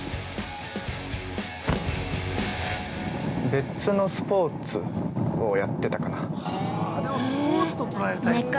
別のスポーツをやってたかな。